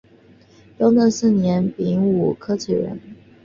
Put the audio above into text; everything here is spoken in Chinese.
雍正四年丙午科举人。